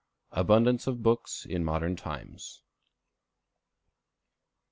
Abundance of Books in Modern Times.